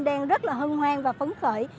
đang rất là hân hoan và phấn khởi